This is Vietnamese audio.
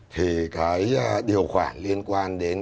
thì cái điều khoản liên quan đến